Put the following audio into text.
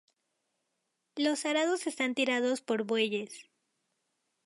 Los arados eran tirados por bueyes.